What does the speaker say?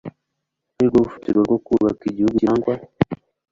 ari rwo rufatiro rwo kubaka igihugu kirangwa